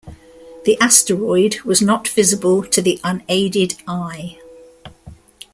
The asteroid was not visible to the unaided eye.